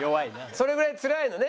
それぐらいつらいのね？